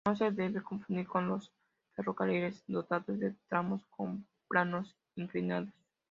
No se debe confundir con los ferrocarriles dotados de tramos con planos inclinados.